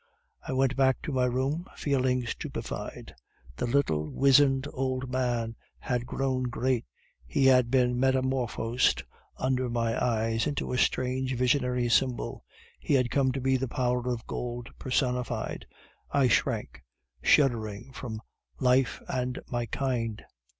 "I went back to my room, feeling stupefied. The little, wizened old man had grown great. He had been metamorphosed under my eyes into a strange visionary symbol; he had come to be the power of gold personified. I shrank, shuddering, from life and my kind.